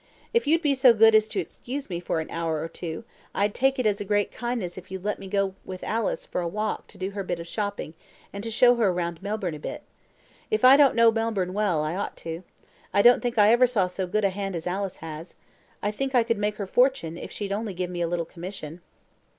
If you'd be so good as excuse me for a hour or two; I'd take it as a great kindness if you'd let me go with Alice for a walk to do her bit of shopping, and to show her round Melbourne a bit. If I don't know Melbourne well, I ought to. I don't think I ever saw so good a hand as Alice has. I think I could make her fortune, if she'd only give me a little commission."